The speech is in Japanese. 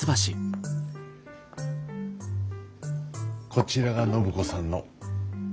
こちらが暢子さんの。